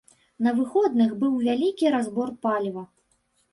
На выходных быў вялікі разбор паліва.